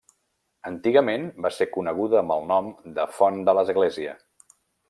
Antigament va ser coneguda amb el nom de font de l'Església.